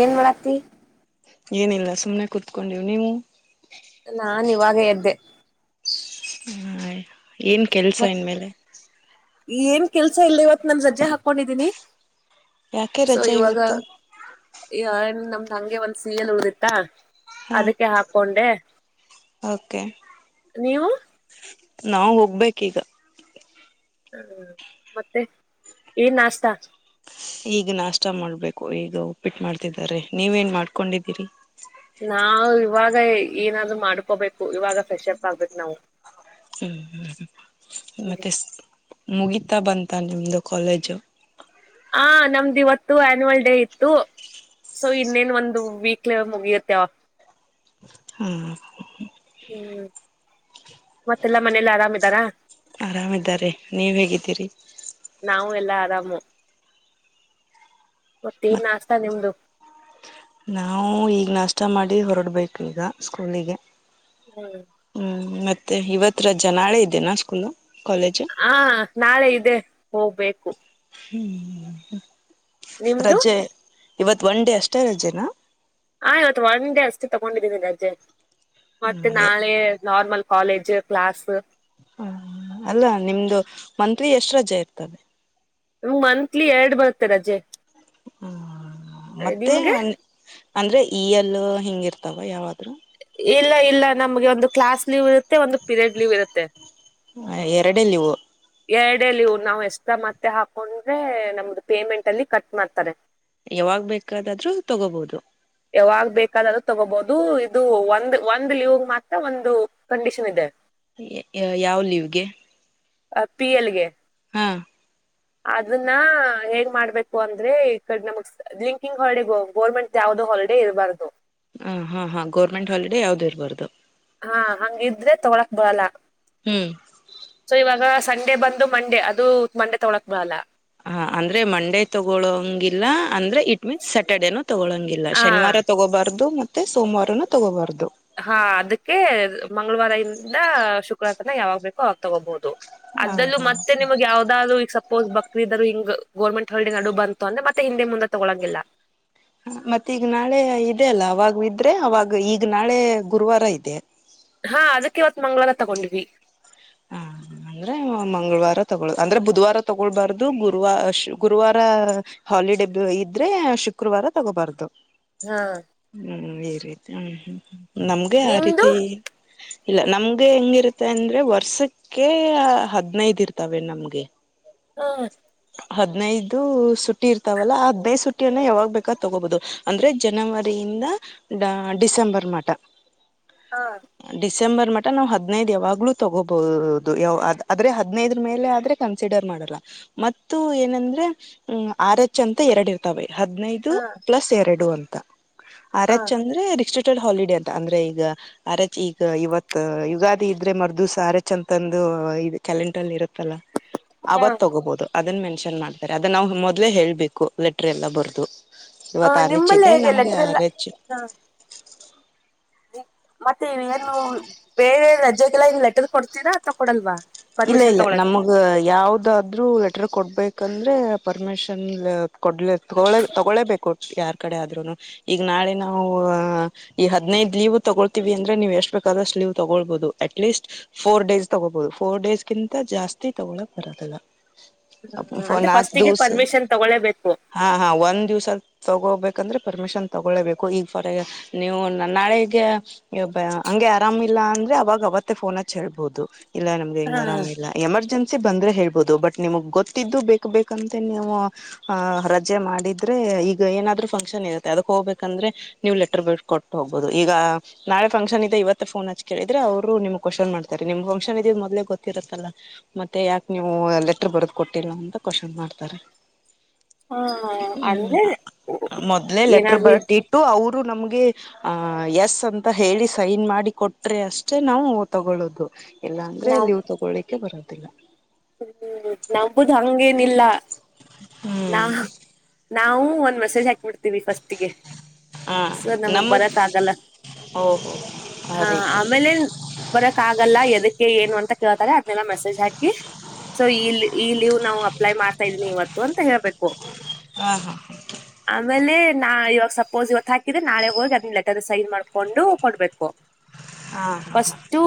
ಏನು ಮಾಡಳಾತಿ ಏನಿಲ್ಲ ಸುಮ್ನೆ ಕುೂತ್ಕೊಂಡಿವು ನೀವು ನಾನ್ ಇವಾಗ ಎದ್ದೆ ಹ ಏನ್ ಕೆಲ್ಸ ಮತ್ ಇನ್ ಮೇಲೆ ಏನ್ ಕೆಲ್ಸ ಇಲ್ಲ ಇವತ್ತು ನಾನು ರಜ್ಜೆ ಹಾಕೊಂಡಿದ್ದೀನಿ ಯಾಕೆ ಸೊ ರಜಾ ಇವಾಗ ಇವತ್ತು ಈನ್ ನಮ್ದ್ ಹಂಗೆ ಒಂದ್ ಸ ಎಲ್ ಉದಿತ್ತಾ ಹಾ ಅದಕ್ಕೆ ಹಾಕೊಂಡೆ ಓಕೆ ನೀವು ನಾವವು ಹೋಗ್ಬೇಕ ಈಗ ಹ್ಮ ಮತ್ತೆ ಏನ್ ನಾಸ್ತಾ ಈಗ ನಾಷ್ಟ ಮಾಡ್ಬೇಕು ಈಗ ಉಪ್ಪಿಟ್ಟು ಮಾಡ್ತಿದಿದ್ದಾರೆ ನೀವ ನ್ ಮಾಡ್ಕೊಂಡಿದ್ದೀರಿ ನಾವವು ಇವಾಗ ಏನಾದ್ರು ಮಾಡ್ಕೋಬೇಕು ಇವಾಗ ಫ್ರೆಶ್ ಅಪ್ ಆಗ್ಬೇಕು ನಾವು ಹ್ಮ್ ಹ್ಮ್ ಮತ್ತೆ ಮುಗೀತಾ ಬಂತ ನಿಮ್ದು ಕಾಲೇಜು ಆ ನಮ್ದು ಇವತ್ತು ಆನ್ಯುವಲ್ ಡೇ ಇತ್ತು ಸೊ ಇನ್ನೇನ್ ಒಂದು್ ವೀಕ್ಲೆ ಮುಗಿಯುತ್ತ ಹ್ಮಞ ಹ್ಮ್ ಮತ್ತೆಲ್ಲ ಮನೇಲ್ಲ ಆರಾಮ ಇದರಾ ಆರಾಮ ಇದಾರೆ ನೀವ್ ಹೇಗಿದ್ದೀರಿ ನಾವು ಎಲ್ಲಾ ಆರಾಮು ಮತ್ತೆ ನ್ ಮತ್ ನಾಸ್ತಾ ನಿಮ್ದು ನಾವು ಈಗ ನಷ್ಟ ಮಾಡಿ ಹೊರಡ್ಬೇಕು ಈಗ ಸ್ಕೂಲಿಗೆ ಹ್ಮ್ ಹ್ಮ್ ಮತ್ತೆ ಇವತ ರಜಾ ನಾಳೆ ಇದೇನಾ ಸ್ಕೂಲ್ ಕಾಲೇಜು ಹಾ ನಾಳೆ ಇದೆ ಹೋಗ್ಬೇಕು ಹ್ಮ್ ನಿಮ್ದು ರಜೆ ಇವತ್ ಒನ್ ಡೇ ಅಷ್ಟೇ ರಜೆನ ಆ ಇವತ್ತು ಒನ್ ಡೇ ಅಷ್ಟು ತಗೊಂಡಿದ್ದೀನಿ ರಜ್ಜೆ ಮತ್ತೆ ಹ್ಮ್ ನಾಳೆ ನಾರ್ಮಲ್ ಕಾಲೇಜ್ ಕ್ಲಾಸ್ ಹ ಅಲ್ಲ ನಿಮ್ದು ಮಂತ್ಲಿ ಎಷ್ಟ್ರ ರಜೆ ಇರ್ತದೆ ಮಂತ್ಲಿ ಎರಡು ಬರುತ್ತೆ ರಜೆ ಹ್ಮ ಮತ್ತೆ ನಿಮ್ಗೆ ಅಂದ್ರೆ ಈ ಎಲ್ಲ ಹಿಂಗಿರ್ತಾವ ಯಾವಾದ್ರು ಇಲ್ಲ ಇಲ್ಲ ನಮ್ಗೆ ಒಂದು ಕ್ಲಾಸ್ ಲೀವ್ ಇರುತ್ತೆ ಒಂದು ಪೀರಿಯಡ್ ಲೀವ್ ಇರುತ್ತೆ ಹ ಎರಡಲ್ಲಿವು ಎರಡೇ ಲಿವು ನಾವ್ ಎಷ್ಟ ಮತ್ತೆ ಹಾಕೊಂಡ್ರೆ ನಮ್ದು ಪೇಮೆಂಟ್ ಅಲ್ಲಿ ಕಟ್ ಮಾಡ್ತಾರೆ ಯಾವಾಗ್ ಬೇಕಾದಾದ್ರೂ ತಗೋಬಹುದು ಯಾವಾಗ್ ಬೇಕಾದ್ರೂ ಅದು ತಗೋಬಹುದು ಇದು ಒಂದ್ ಒಂದ್ ಲೀವ ಮಾತ್ರ ಒಂದು ಕಂಡೀಷನ್ ಇದೆ ಯಾವ ಲೀವ್ಗೆ ಆ ಪಿ ಎಲ್ಗೆ ಹಾ ಅದನ್ನ ಹೆೇಂಗ ಮಾಡ್ಬೇಕು ಅಂದ್ರೆ ಈ ಕಡ್ ನಮಗ್ ಲಿಂಕಿಂಗ್ ಹಾಲಿಡೆ ಗೌರ್ಮೆಂಟ್ ಯಾವ್ದೋ ಹಾಲಿಡೆ ಇರಬಾರದು ಹ ಹಾ ಹಾ ಗೌರ್ಮೆಂಟ್ ಹಾಲಿಡಡೆ ಯಾವ್ದು ಇರ್ಬಾರದು ಹಾ ಹಂಗಿದ್ರೆ ತೊಗಳಕ್ ಬರಲ್ಲ ಹ್ಮ್ ಸೊ ಇವಾಗ ಸಂಡೆ ಬಂದು ಮಂಡೆ ಅದು ಮಂಡೇ ತಗೊಳಕ್ ಬಡಲ್ಲ ಹ ಅಂದ್ರೆ ಮಂಡೇ ತಗೊಳಂಗಿಲ್ಲ ಅಂದ್ರೆ ಇಟ್ ಮೀನ್ಸ್ ಸ್ಯಾಟರ್ಡೇನು ತಗೊಳಂಗಿಲ್ಲ ಇಲ್ಲ ಆ ಶನಿವಾರ ತಗೋಬಾರ್ದು ಮತ್ತೆ ಸೋಮವಾರನು ತಗೋಬಾರ್ದು ಹಾ ಅದಕ್ಕೆ ಮಂಗಳವಾರದಿಂದ ಶುಕ್ರವಾರ ತನ ಯಾವಾಗ್ ಬೇಕೋ ಆ ತಗೋಬಹುದು ಹ ಅದಲ್ಲೂ ಹ ಮತ್ತೆ ನಿಮಗ್ ಯಾವ್ದಾದ್ರು ಈಗ ಓದು ಬಕ್ರಿದ್ ಹಿಂಗ ಗೋರ್ಮೆಂಟ್ ಹೊಲ್ಡಿ ನಡು ಬಂತ ಅಂದ್ರೆತ್ತೆ ಹಿಂದೆ ಮುಂದೆ ತಗೊಳಂಗಿಲ್ಲ ಮತ್ತ ಈಗ ನಾಳೆ ಇದೆ ಅಲ್ಲ ಅವಾಗ ಇದ್ರೆ ಅವಾಗ ಈಗ ನಾಳೆ ಗುರುವಾರ ಇದೆ ಹಾ ಅದಕ್ಕೆ ಇವತ್ ಮಂಗಳಾರ ತಗೊಂಡ್ವಿ ಹಾ ಅಂದ್ರೆ ಮಂಗಳವಾರ ತಗೊಳ್ ಅಂದ್ರೆ ಬುಧವಾರ ತಗೊಳ್ಬಾರ್ದು ಗುರುವ ಗುರುವಾರ ಹಾಲಿಡೇ ಇದ್ರೆ ಶುಕ್ರವಾರ ತಗೋಬಾರ್ದು ಹಾ ಹ್ಮ್ ಈ ರೀತಿ ಹ್ಮ್ ಹ್ಮ ನಮ್ಗೆ ಆ ನಿಮ್ದು ರೀತಿ ಇಲ್ಲ ನಮ್ಗೆ ಹೆಂಗಿರುತ್ತೆ ಅಂದ್ರೆ ವರ್ಷಕ್ಕೆ ಹದ್ನೈದು ಇರ್ತಾವೆ ನಮ್ಗೆ ಹಾ ಹ ಹದನೈದು ಸುಟ್ಟಿ ಇರ್ತಾವಲ್ಲ ಆ ಹದಿನೈದು ಸುಟ್ಟಿಯನ್ನು ಯಾವಾಗ ಬೇಕಾದ ತಗೋಬಹುದು ಅಂದ್ರೆ ಜನವರಿಯಿಂದ ಡಿಸೆಂಬರ್ ಮಾಡಟ ಹಾ ಡಿಸೆಂಬರ್ ಮಟ ನಾವ್ ಹದನೈದು ಯಾವಾಗ್ಲೂ ತಗೋಬಹುದು ಯಾವ ಅ ಆದ್ರೆ ಹದ್ನೈದ ಮೇಲೆ ಆದ್ರೆ ಕನ್ಸಿಡರ್ ಮಾಡಲ್ಲ ಮತ್ತು ಏನಂದ್ರೆ ಹ್ ಆರ್ ಎಚ್ ಅಂತ ಎರಡು ಇರ್ತವೆ ಹದನೈದು ಇದು ಪ್ಲಸ್ ಎರಡು ಅಂತ ಆರ್ಚ್ ಅಂದ್ರೆ ರಿ ಹಾಲಿಡೇ ಅಂತ ಅಂದ್ರೆ ಈಗ ಅರ್ ಈಗ ಇವತ್ ಯುಗಾದಿ ಇದ್ರೆ ಮ ಸಾರ ಚ ಅಂತಂದು ಇದು ಕ್ಯಾಲಂಡರ್ ಅಲ್ಲಿ ಇರುತ್ತಲ್ಲ ಅವತ್ ತಗೋಬಹುದು ಅದನ್ ಮೆನ್ಷನ್ ಮಾಡ್ತಾರೆ ಅದ ನಾ ಮೊದ್ಲೇ ಹೇಳ್ಬೇಕು ಲೆಟರ್ ಎಲ್ಲ ಬರದು ಇವತ್ ಆರ್ ಹೆಚ್ಚ ಇದೆ ನಮ್ಗೆ ಆರ ಹೆಚ್ಚು ಹಾ ಮತ್ತೆ ಏನು ಬೇರೆ ರಜೆಗೆಲ್ಲ ಇ ಲೆಟರ್ ಕೊಡ್ತೀರಾ ತಗೊಡಲ್ವಾ ಇಲ್ಲ ಇಲ್ಲ ನಮ್ಮ್ ಯಾವದಾದ್ರೂ ಲೆಟರ್ ಕೊಡ್ಬೇಕಂದ್ರೆ ಪರ್ಮಿಷನ್ ಕೊಡ್ಲ ತಳ ತಗೊಳೇಬೇಕು ಕೊಟ್ಟ ಯಾರ್ ಕಡೆ ಆದ್ರುನು ಈಗ ನಾಳೆ ನಾವು ಈ ಹದನೈದು ಲೀವ್ ತಗೊಳ್ತೀವಿ ಅಂದ್ರೆ ನೀವು ಎಷ್ಟ ಬೇಕಾದಷ್ಟ ಲೀ್ ತಗೊಳ್ಬಹುದು ಅಟ್ ಲೀಸ್ಟ್ ಫೋರ್ ಡೇಸ್ ತಗೋಬಹುದು ಫೋರ್ ಡೇಸ್ಗಿಂತ ಜಾಸ್ತಿ ತಗೋಳಕ್ ಬರದಲ್ಲ ಹ್ಮ ಅಂದ್ರೆ ಫಸ್ಟಿಗೆ ಪರ್ಮಿಷನ್ ತಗೊಬೇಕು ಹಾ ಹಾ ಒಂದು ದಿವಸ ತಗೋಬೇಕಂದ್ರೆ ಪರ್ಮಿಷನ್ ತಗೊಳ್ಳೇಬೇಕು ಈಗ ಫಾರ್ ನೀವು ನಾಳಿಗೆ ಬ್ಬ ಹಂಗೆ ಆರಾಮಿಲ್ಲ ಅಂದ್ರೆ ಅವಾಗ ಅವತ್ತೇ ಫೋನ್ ಹಚ್ ಹೇಳ್ಬಹುದು ಇಲ್ಲಾ ನಮ್ಗೆ ಹಾ ಹೆಂಗ್ ಆರಾಮಿಲ್ಲ ಎಮರ್ಜೆನ್ಸಿ ಬಂದ್ರೆ ಹೇಳ್ಬೋದು ಬಟ್ ನಿಮ್ಗ್ ಗೊತ್ತಿದ್ದು ಬೇಕಕ್ ಬೇಕಂತ ನೀವು ಆಹ ರಜೆ ಮಾಡಿದ್ರೆ ಈಗ ಏನಾದ್ರು ಫಂಕ್ಷನ್ ಇರತ್ತೆ ಅದಕ್ ಹೋಗ್ಬೇಕಂದ್ರೆ ನೀವು ಲೆಟರ್ ಬ ಕೊಟ್ಟು ಹೋಗ್ಬಹುದು ಈಗ ನಾಳೆಫಂಕ್ಷನ್ ಇದದೆ ಇವತ್ತ ಫೋನ್ ಹಚ್ ಕೇಳಿದ್ರೆ ಅವರು ನಿಮ ಕ್ವಶನ್ ಮಾಡ್ತಾರೆ ನಿಮ ಫಂಕ್ಷನ್ ಇದಿದ ಮೊದ್ ಗೊತ್ತಿರತ್ತಲ್ಲಾ ಮತ್ತೆ ಯಾಕೆ ನೀವು ಲೆಟರ್ ಬರದ್ ಕೊಟ್ಟಿಲ್ಲ ಅಂತ ಕ್ವನ್ ಮಾಡ್ತಾರೆ ಹ ಹ್ಮ ಅಂದ್ರೆ ಮೊದ್ಲೇ ಲೆಟರ್ ಏನಾದ್ರು ಬರ್ತಿ ಅವರು ನಮ್ಗೆ ಆಹ ಎಸ್ ಅಂತ ಹೇಳಿ ಸೈನ್ ಮಾಡಿ ಕೊಟ್ರೆ ಅಷ್ಟೆ ನಾವು ತಗೊಳ್ಳೋದು ಇಲ್ಲ ಅಂದ್ರೆ ನಾವ್ ಇವು ತಗೊಳ್ಳಳಿಕ್ಕೆ ಬರೋದಿಲ್ಲ ಹ್ಮ್ ನಂಬುದು ಹಂಗೇನಿಲ್ಲ ನಾ ಹ್ಮ್ ನಾವು ಒಂದ್ ಮೆಸೇಜ್ ಹಾಕ್ಬಿಡ್ತೀವಿ ಫಸ್ಟ್ಗೆ ಸ ನಮಗ್ ಬರಕ್ ಆಗಲ್ಲ ಓಹೋ ಆ ಹಾ ರೀತಿ ಆಮೇಲೆ ನ್ ಬರಕ್ ಆಗಲ್ಲ ಎದಕ್ಕೆ ಏನು ಅಂತ ಕೇಳ್ತಾರೆ ಅದನೆಲ್ಲ ಮೆಸೇಜ್ ಹಾಕಿ ಸೊ ಈ ಈ ಲೀವ್ ನಾವು ಅಪ್ಲೈ ಮಾಡ್ತಾ ಇದೀನಿ ಇವತ್ತು ಅಂತ ಹೇಳ್ಬೇಕು ಹಾ ಹಾ ಆಮೇಲೆ ನಾ ಇವಾಗ ಸಪೋಸ್ ಇವತ್ ಹಾಕಿದ್ರೆ ನಾಳೆ ಹೋಗಿ ಅದ ಲಲೆಟದ ಸೈನ್ ಮಾಡ್ಕೊಂಡು ಕೊಡ್ಬೇಕು [inaudible] ಹಾ ಫಸ್ಟು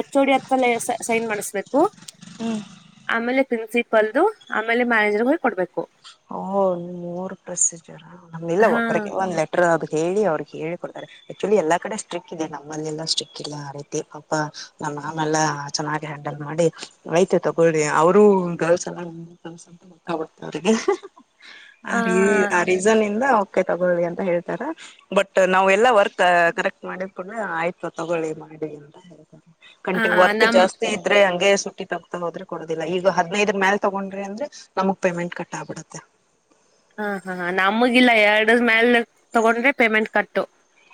ಎಚ್ ಡಿ ಹತ್ತಲ್ಲ ಸೈನ್ ಮಾಡಿಸ್ಬೇಕು ಹ್ಮ ಆಮೇಲೆ ಪ್ರಿನ್ಸಿಪಲ್ದು ಆಮೇಲೆ ಮ್ಯಾನೇಜರ್ ಹೋಗಿಕ ಕೊಡ್ಬೇಕು ಹ ಮೂರ್ ಪ್ರಸ್ ಜರ ನಮ ಇಲ್ಲ ಹಾ ಒಬ್ಬರಿಗೆ ಒಂದ್ಲೆ ಅದು ಹೇಳಿ ಅವ್ರಿಗೆ ಹೇಳಿ ಕೊಡ್ತಾರೆ ಆಕ್ಚುಲಿ ಎಲ್ಲಾ ಕಡೆ ಸ್ಟ್ರಿಕ್ಟ್ ಇದೆ ನಮ್ಮಲ್ಲಿೆಲ್ಲಾ ಸ್ಟ್ರಿಕ್ ಇಲ್ಲ ಆ ರೈತಿ ಪಾಪ ನಮ್ಮ ಆಮೆಲ್ಲಾ ಚೆನ್ನಾಗಿ ಹ್ಯಾಂಡಲ್ ಮಾಡಿ ವೈತ್ ತಗೋಿ ಅವರುೂ ಗರ್ಲ್ಸ್ ಎಲ್ಲ ಮುಖಡ್ತ ಅವ್ರಿಗೆ ಆ ರೀ ಆ ರೀ ಜನಂದ ಒಕೆ ತಗೊಳ್ಳಿ ಅಂತ ಹೇಳ್ತಾರ ಬಟ್ ನಾವ ಎಲ್ಲ ವರ್ಕ್ ಕರೆಕ್ಟ್ ಮಾಡಿದಕೊಂಡೆ ಆಯ್ತು ತಗೊಳ್ಳಿ ಮಾಡಿ ಅಂತ ಹೇಳ್ತಾರೆ ಹ ಕಂಟೀ ವರ್ತ ನಮ್ ಜಾಸ್ತಿ ಇದ್ರೆ ಹಂಗೆ ಸುಟ್ಟಿ ತಗತಾ ಹದ್ರೆ ಕೊಡುದಿಲ್ಲ ಈಗ ಹದನೈದ ಮೇಲ್ ತಗೊಂಡ್ರೆ ಅಂದ್ರೆ ನಮಗ್ ಪೇಮೆಂಟ್ ಕಟ್ಟಾಬ ಬಿಡುತ್ತೆ ಹಾ ಹಾ ನಮಗಿಲ್ಲಾ ಎರಡ್ ಮ್ಯಾಲ ತಗೊಂಡ್ರೆ ಪೇಮೆಂಟ್ ಕಟ್ಟು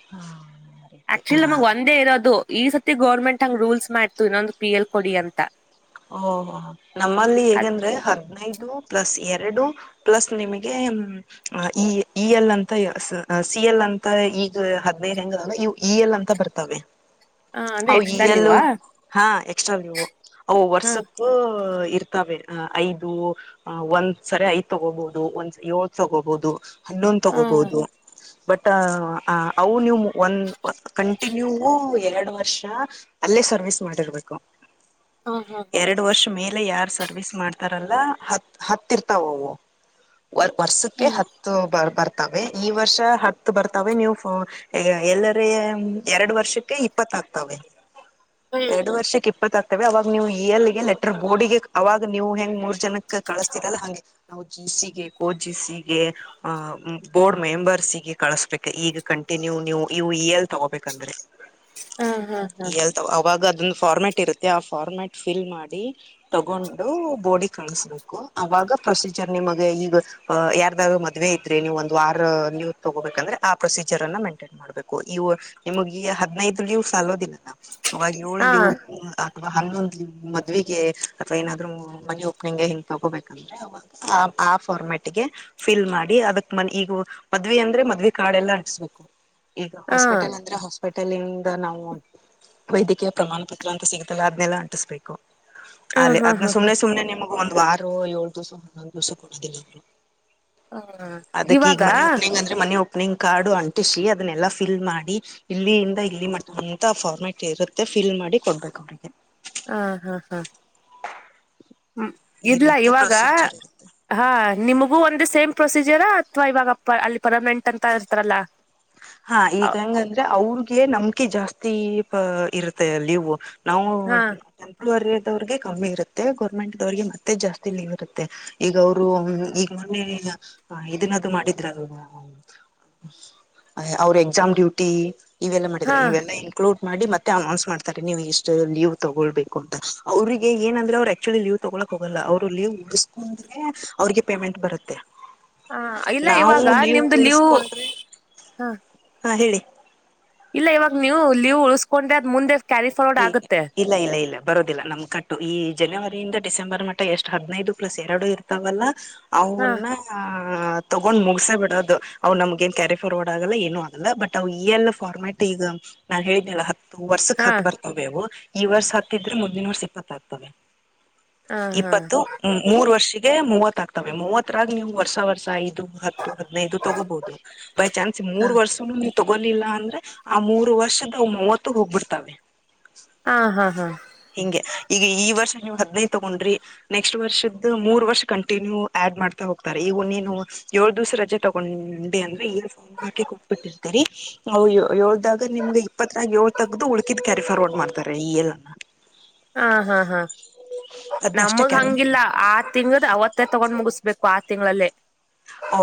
ಹ್ಮ ಆಕ್ಚುಲಿ ನಮಗೆ ಒಂದೇ ಇರೋದು ಈ ಸತಿ ಗೌರ್ಮೆಂಟ್ ಹಂಗ್ ರೂಲ್ಸ್ ಮಾಡ್ತು ಇನ್ನೊಂದು ಪಿ ಎಲ್ ಕೊಡಿ ಅಂತ ಹಾ ಹಾ. ನಮ್ಮಲ್ಲಿ ಅದ್ ಹೇಗಂದ್ರೆ ಹದ್ನೈದು ಪ್ಲಸ್ ಎರಡು ಪ್ಲಸ್ ನಿಮಗೆ. ಆ ಈ ಈ ಎಲ್ಲಂತ ಸಿ ಎಲ್ ಅಂತ ಈಗ ಹದ್ನೈದು ಹೆಂಗ ಇವ. ಇ ಯ ಲ್ ಅಂತ ಬರ್ತವೆ. ಆ ಅಂದ್ರೆ ಅವ ಇ ಎಕ್ಸ್ಟ್ರಾ ಯ ಲೂ ಲೀವಾ ಹಾ ಎಕ್ಸ್ಟ್ರಾವು ಅವು ವರ್ಸ. ಹಾ ಇರ್ತಾವೆ ಐದು. ಅ ಒಂದ್ಸರಿ ಐದ್ ತಗೋಬಹುದು ಒಂದ್ ಏಳ್ ತಗೋಬಹುದು ಹನ್ನೊಂದ ಹಾ ತಗೋಬಹುದು. ಬಟ್ ಅವು ನೀವು ಒಂದ ಕಂಟಿನ್ಯೂ ಎರಡು ವರ್ಷ. ಅಲ್ಲೇ ಸರ್ವಿಸ್ ಮಾಡಿರ್ಬೇಕು. ಹಾ ಹಾ ಹಾ ಎರಡು ವರ್ಷ ಮೇಲೆ ಯಾರ್ ಸರ್ವಿಸ್ ಮಾಡ್ತಾರಲ್ಲ ಹತ್ ಹತ್ತಿರ್ತಾವ ಅವು. ವರ್ಷಕ್ಕೆ ಹ್ಮ್ ಹತ್ತು ಬ ಬರ್ತವೆೆ ಈ ವರ್ಷ ಹತ್ತು ಬರ್ತಾವೆ ನೀವು. ಎಲ್ಲರ ಎರಡು ವರ್ಷಕ್ಕೆ ಇಪ್ಪತ್ತಗ್ತವೆೆ. ಹ್ಮ್ ಎರಡು ವರ್ಷಕ್ಕೆ ಇಪ್ಪತ್ತಾಗ್ತವೆ ಅವಾಗ. ನೀವು ಇಯರ್ಲ್ಲಿಗೆ ಲೆಟರ್ ಬೋರ್ಡಿಗೆ ಅವಾಗ ನೀವು ಹೆಂಗ್ ಮೂರ್ ಜನಕ್ ಕಳಿಸಸ್ತೀರಲ್ಲ ಹಂಗೆ. ನಾವು ಜಿಸಿಗೆ ಕೋ ಜಿಸಿಗೆ ಆಹ ಬೋರ್ಡ್ ಮೆಂಬರ್ಸ್ಗೆ ಕಳಸ್ಬೇಕ ಈಗ ಕಂಟಿನ್ಯೂ ನೀವು ಇವು ಇ ಎಲ್ ತಗೋಬೇಕಂದ್ರೆ. [inaudible] ಹಾ ಹಾ ಹಾ. ಹೇಳ್ತಾವ ಅವಾಗ ಅದೊಂದು ಫಾರ್ಮೆಟ್ ಇರುತ್ತೆ ಆ ಫಾರ್ಮೆಟ್ ಫಿಲ್ ಮಾಡಿ. ತಗೊಂಡು ಬೋರ್ಡ್ ಗೆ ಕಳಸ್ಬೇಕು ಅವಾಗ ಪ್ರೊಸೀಜರ್ ನಿಮಗೆ ಈಗ. ಅ ಯಾರ್ದಾರು ಮದ್ವೆ ಇದ್ರೆ ನೀವು ಒಂದು ವಾರ ಲೀವ್ ತಗೋಬೇಕಂದ್ರೆ ಆ ಪ್ರೊಸೀಜರ್ ಅನ್ನ ಮೇಂಟೈನ್ ಮಾಡಬೇಕು. ಮಾಡ್ಬೇಕು ಇವು ನಿಮಗ್ ಈ ಹದ್ನೈದು ಲೀವ್ ಸಾಲೋದೀಲ್ಲಲಾ ಅವಾಗ ಏಳು ಹಾ ಲೀವ್. ಅ ಹನ್ನೊಂದ್ ಮದ್ವೆಗೆ ಅಥವಾ ಏನಾದ್ರು ಮನಿ ಓಪನಿಂಗಗೆ ಹಿಂಗ್ ತೊಗೋಬೇಕಂದ್ರೆ. ಆ ಫಾರ್ಮೆಟ್ಗೆ. ಫಿಲ್ ಮಾಡಿ ಅದಕ್ ಮ ಈಗ ಮದ್ವಿವೆ ಅಂದ್ರೆ ಮದ್ವಿ ಕಾಡೆ ಎಲ್ಲಾ ಅಂಟಸ ಬೇಕು. ಈಗ ಹಾ ಹಾಸ್ಪಿಟಲ್ ಅಂದ್ರೆ ಹಾಸ್ಪಿಟಲ್ಂದ ನಾವು ವೈದ್ಯಕೀಯ ಪ್ರಮಾಣ ಪತ್ರ ಅಂತ ಸಿಗುತ್ತ. ಅದಲ್ಲ ಅಂಟಿಸಬೇಕು ಅಲ್ಲಿ ಹಾ ಹಾ ಅದ್ ಹಾ ಹಾ ಸುಮ್ನೆ ಸುಮ್ನೆ ನಿ. ಒಂದ್ ವಾರು ಏಳು ದಿವ್ಸ ಹನ್ನೊಂದ್ ದಿವ್ಸ ಕೊಡೋದಿಲ್ಲ ಅವರು. ಅದಕ್ ಈಗ ಇವಾಗ ಮನೆ ಓಪನಿಂಗ್ ಆದ. ಮನೆ ಓಪನಿಂಗ್ ಕಾರ್ಡು ಅಂಟಿಸಿ ಅದನ್ನೆಲ್ಲಾ ಫಿಲ್ ಮಾಡಿ. ಇಲ್ಲಿಯಂದ ಇಲ್ಲಿ ಮಟ್ಟ ಅಂತ ಫಾರ್ಮ್ಯಾಟ್ ಇರುತ್ತೆ ಫಿಲ್ ಮಾಡಿ ಕೊಡ್ಬೇಕು ಅವ್ರಿಗೆ. ಹ ಹಾ ಹಾ. ಹ್ಮ ಈ ಇದಲಾ ರೀತಿ ಇವಾಗ. ಪ್ರೊಸೀಜರ್ ಇರುತ್ತೆ ಹಾಂ ನಿಮಗೂ ಒಂದು ಸೇಮ್ ಪ್ರೊಸೀಜರಾ ಅಥವಾ ಇವಾಗಪ್ಪ ಅಲ್ಲಿ ಪರ್ಮನೆಂಟ್ ಅಂತ ಇರ್ತಾರಲ್ಲ. ಹಾ ಈಗ ಅವ್- ಹಂಗಂದ್ರೆ ಅವ್ರಗೆ ನಂಬಕಿ ಜಾಸ್ತಿ ಇರುತ್ತೆ ಲೀವ್. ನಾವು ಹಾ ಟೆಂಪರರಿ ಇದ್ದವರಿಗೆ ಕಮ್ಮಿ ಇರುತ್ತೆ ಗೋರ್ಮೆಂಟ್ ದವ್ರಿಗೆ ಮತ್ತೆ ಜಾಸ್ತಿ ಲೀವ್ ಇರುತ್ತೆ. ಈಗ ಅವರು ಈಗ ಮೊನ್ನೆ ಇದನದು ಮಾಡಿದ್ರಲ್. ಅವ್ರು ಎಕ್ಸಾಮ್ ಡ್ಯೂಟಿ ಇವೆಲ್ಲಾ ಮಾಡಿದ್ರ ಹಾ ಇವೆಲ್ಲ. ಇಂಕ್ಲುಡ್ ಮಾಡಿ ಮತ್ತೆ ಅನೌನ್ಸ್ ಮಾಡ್ತಾರೆ ನೀವು ಎಷ್ಟು ಲೀವ್ ತೊಗೊಳ್ಬೇಕು ಅಂತ ಅವ್ರಿಗೆ ಏನಂದ್ರೆ ಅವ ಆಕ್ಚುಲಿ ಲೀವ್. ತಗೊಕ್ ಹೋಗಲ್ಲ ಅವ್ರು ಲೀವ್ ಉಡ್ಸ್ಕೊಂಡ್ರೆ ಅವ್ರಿಗೆ ಪೇಮೆಂಟ್ ಬರುತ್ತೆ. ಹ ಇಲ್ಲ ನಾವು ಇವಾಗ ನಿಮ್ದು ಲೀವ್ ಉಳಿಸಕೊಂಡ್ರೆ ಹ. ಹಾ ಹೇಳಿ. ಇಲ್ಲ ಇವಾಗ ನೀವು ಲೀವ್ ಉಳಸ್ಕೊಂಡ್ರೆ ಅದ್ ಮುಂದೆ. ಕ್ಯಾರಿ ಫಾರ್ವರ್ಡ್ [inaudible] ಆಗುತ್ತೆ ಇಲ್ಲ ಇಲ್ಲ ಇಲ್ಲ ಬರೋದಿಲ್ಲ ನಮ್ ಕಟ್ಟು ಈ ಜನವರಿಯಿಂದ ಡಿಸೆಂಬರ್ ಮಟ್ಟ ಎಷ್ಟು ಹದ್ನೈದು ಪ್ಲಸ್ ಎರಡು ಇರ್ತವಲ್ಲ. ಹಾ ಅವಂಗನ್ನ ಹ ತೊಗೊಂಡ್ ಮುಗಸ ಬಿಡೋದು ಅವ್ ನಮ್ಗ ಏನ್ ಕ್ಯಾರಿ ಫಾರ್ವರ್ಡ್ ಆಗಲ್ಲ ಏನು ಆಗಲ್ಲ ಬಟ್ ಅವವು ಈ ಎಲ್ ಫಾರ್ಮೆಟ್ ಈಗ ನಾನ್ ಹೇಳಿದನಲ್ಲ ಹ ವರ್ಸಕ್ ಹಾ ಹತ್ ಬರ್ತವೆ ಅವು ಈ ವರ್ಷ ಹತ್ತಿದ್ರೆ ಮುದಿನ ವರ್ಷ ಇಪ್ಪತ್ ಆಗ್ತವೆ ಹಾ ಹಾ ಇಪ್ಪತ್ತು ಹ್ಮ ಮೂರ್ ವರ್ಷಿಗೆ ಮೂವತ್ತ ಆಗ್ತವೆ ಮೂವತ್ತರಾಗ ನೀವು ವರ್ಸ ವರ್ಸ ಇದು ಹಾ [unintelligible] ತಗೋಲಿಲ್ಲ ಅಂದ್ರೆ ಆ ಮೂರು ವರ್ಷದ ಮೂವತ್ತು ಹೋಗ್ಬಿಡ್ತಾವ ಹಾ ಹಾ ಹಾ ಹಿಂಗೆ ಈಗ ಈ ವರ್ಷ ನೀವು ಹದ್ನೈದು ತಗೊಂಡ್ರಿ ನೆಕ್ಸ್ಟ್ ವರ್ಷದ್ದ ಮೂರ್ ವರ್ಷ ಕಂಟಿನ್ಯೂ ಆಡ್ ಮಾಡ್ತಾ ಹೋಗ್ತಾರೆ ಇವು ನೀನು ಏಳ್ ದಿವಸ ರಜೆ ತಗೊಂಡೆ ಅಂದ್ರೆ ಏಳು ಸಾಟ ಕೊೋಗ್ಬಿಟ್ಟಿರ್ತರಿ ಹ ಏಳ್ದಾಗ ನಿಮ್ಗೆ ಇಪ್ಪತ್ತನಾಗ ಏಳ್ ತಗ್ದು ಉಳಕಿದ್ ಕ್ಯಾರಿ ಫಾರ್ವರ್ಡ್ ಮಾಡ್ತಾರೆ ಈಲ್ಲ ಹಾ ಹಾ ಹಾ ಅದ್ನ ಅಷ್ಟೇ ನಮಗ್ ಕ್ಯಾರಿ ಹಂಗಿಲ್ಲ ಆ ತಿಂಗಂ ಅವತ್ತೇ ತಗೊಂಡ್ ಮುಗಿಸ್ಬೇಕು ಆ ತಿಂಗಳಲ್ಲೇ ಓ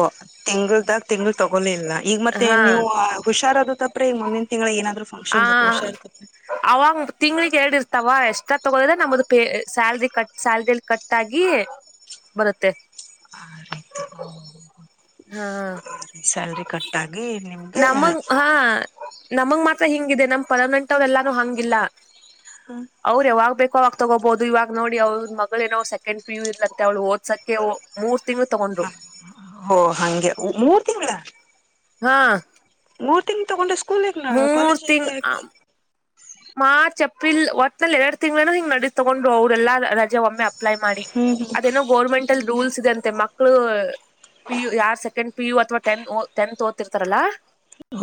ತಿಂಗಳದಾಗ ತಿಂಗಳ ತಗೋಲೇ ಇಲ್ಲ ಈಗ ಮತ್ತೆ ಹಾ ನೀವು ಹುಷಾರಾದಪ್ಪ ಅ ಮುಂದಿನ ತಿಂಳ ಆ ಏನಾದ್ರುಫಂಕ್ಷನ್ ಬ ಹೋರ್ಷ ಇರ್ತತ್ರಿ ಅವಾಗ ತಿಂಗ್ಳಿಗೆ ಎರಡ್ ಇರ್ತಾವ ಎಷ್ಟ್ರಾ ತಗೋದ್ರೆ ನಮ್ದ ಸಲ್ರಿ ಕಟ್ ಸ್ಯಾಲ್ರಿಲ್ಲಿ ಕಟ್ ಕಟ್ ಆಗಿ ಬರುತ್ತೆ ಆ ರೀತಿ ಹ್ಮ ಹಾ ಸ್ಯಾಲ್ರಿ ಕಟ್ ಆಗಿ ನಿಮ್ಗೆ ನಮಗ್ ಹಾ ನಮಗ್ ಮಾತ್ರ ಹಿಂಗಿದೆ ನಮ್ ಪರ್ಮನೆಂಟ್ ಅವ್ರ ಎಲ್ಲಾನು ಹಂಗಿಲ್ಲಾ ಹ್ಮ ಅವ್ರ ಯಾವಾಗ ಬೇಕೋ ಅವಾಗ ತಗೋಬಹುದು ಇವಾಗ ನೋಡಿ ಅವ್ರ ಮಗಳ ಏನೋ ಸೆಕೆಂಡ್ ಪಿ ಯ ಇರ್ ಅಂತೆ ಅವಳ ಓದ್ಸಕ್ಕೆೆ ಮೂರ್ ತಿಂಗಗಳು ತೊಗೊಂಡ್ರು ಹೊೋ ಹಂಗೆ ಮೂರ್ ತಿಂಗಳ ಹಾ ಮೂಊರ್ ತಿಂಗ ತಗೊಂಡೆ ಸ್ಕೂಲ್ ಹ ನ ಮೂರ್ ಕಾಲೇಜ ತಿಂಗ್ ಮಾರ್ಚ್ ಎಪ್ರಿಲ್ ಒಟ್ಲ್ಲಿ ಎರಡು ತಿಂಗಳನ ಹ್ ನಡೀ ತಗೊಂಡ್ ಹದೆಲ್ಲ ಒಮ್ಮೆ ಅಪ್ಲೈ ಮಾಡಿ ಹ್ಮ್ ಹ್ಮ್ ಅದೇನೋ ಗೋರ್ಮೆಂಟಲ್ ರೂಲ್ಸ್ ಇದೆಂತೆ ಮಕ್ಕಳು ಪಿ ಯು ಯಾರ್ ಸೆಕೆಂಡ್ ಪಿ ಯು ಅಥವಾ ತ್ ಟಂತ್ಓದ್ತಿರ್ತಾರಲ್ಲಾ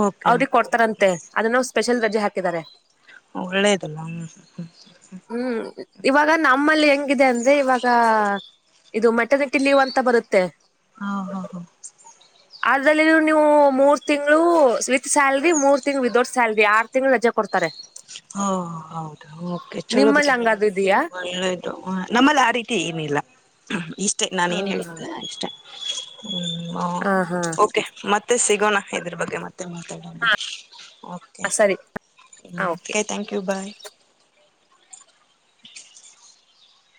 ಓಕೆ ಅವ್ರಿಗೆ ಓಕೆ ಕೊಡ್ತಾರಂತೆ ಅದನ್ನ ಸ್ಪೆಷಲ್ ರಜೆ ಹಾಕಿದಿದ್ದಾರೆ ಒಳ್ಳೇದಲ್ಲ ಹ್ಮ್ ಹ್ಮ್ ಹ್ಮ್ ಇವಾಗ ನಮ್ಮಲ್ಲಿ ಹೆಂಗಿದೆ ಅಂದ್ರೆ ಇವಾಗ ಇದು ಮೆಟನ್ಟಿ ಲೀವ್ ಅಂತ ಬರುತ್ತೆ ಆ ಹ ಹ ಅದ್ರಲ್ಲಿ ನೀವು ಮೂರ್ ತಿಂಗಂಗಳು ವಿತ್ ಸ್ಯಾಲ್ರಿ ಮೂರ್ ತಿಂಗ ವಿಿದೌಟ್ ಸ್ಯಾಲ್ರಿ ಆರ್ ತಿಂಗಗಳು ರಜೆ ಕೊಡ್ತಾರೆ ಹಾ ಹೌದಾ ಓಕೆ ಚಲೋ ಬಿಡಿ ನಿಮ್ಮಲ್ಲಿ ಹಂಗಾದ ಇದೆಯಾ ನಮ್ಮಲ್ಲಿ ಆ ರೀತಿ ಏನಿಲ್ಲ ಇಷ್ಟೇ ನಾನ ಏನ್ ಹ ಹೇಳಿದ್ರ ಇಷ್ಟೇ ಹ್ಮ ಹಾ ಹಾ ಓಕೆ ಮತ್ತೆ ಸಿಗೋಣ ಇದ್ರ ಬಗ್ಗೆ ಮತ್ತೆ ಡಮ ಓಕೆ ಸರಿ ಹ okay okay thank you bye